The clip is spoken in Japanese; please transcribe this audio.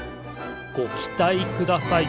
ごきたいください！